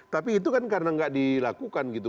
tapi itu kan karena nggak dilakukan gitu